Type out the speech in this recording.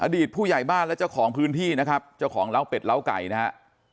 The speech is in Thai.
ผู้ใหญ่บ้านและเจ้าของพื้นที่นะครับเจ้าของเล้าเป็ดล้าไก่นะฮะ